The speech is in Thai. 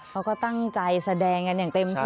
เขาก็ตั้งใจแสดงกันอย่างเต็มที่